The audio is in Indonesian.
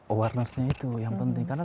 awareness nya itu yang penting karena